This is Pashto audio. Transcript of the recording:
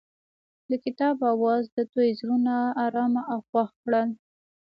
د کتاب اواز د دوی زړونه ارامه او خوښ کړل.